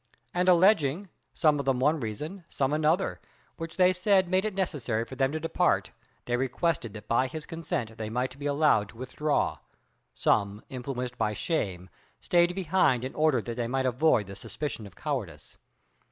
And alleging, some of them one reason, some another, which they said made it necessary for them to depart, they requested that by his consent they might be allowed to withdraw; some, influenced by shame, stayed behind in order that they might avoid the suspicion of cowardice.